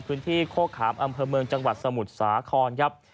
โคขามอำเภอเมืองจังหวัดสมุทรสาครครับ